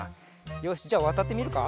よしじゃわたってみるか？